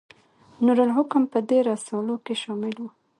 نور الحکم په دې رسالو کې شامل و.